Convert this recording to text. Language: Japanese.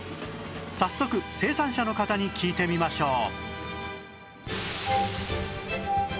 早速生産者の方に聞いてみましょう